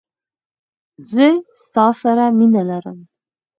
زه ستا سره مینه لرم.